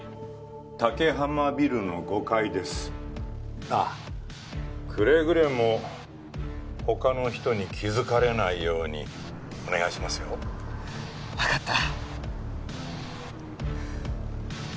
竹浜ビルの５階ですああくれぐれも他の人に気づかれないように☎お願いしますよ分かった